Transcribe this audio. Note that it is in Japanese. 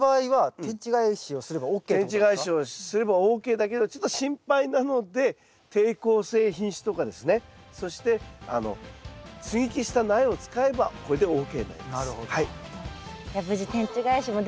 天地返しをすればＯＫだけどちょっと心配なので抵抗性品種とかですねそして接ぎ木した苗を使えばこれでＯＫになります。